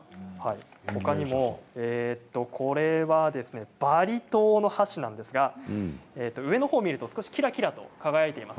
ほかにも、バリ島の箸なんですが上のほうを見ると少しキラキラと輝いています。